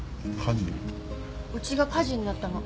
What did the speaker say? ウチが火事になったの。